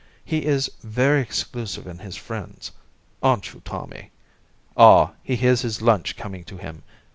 He is very exclusive in his friends aren't you, Tommy? Ah, he hears his lunch coming to him!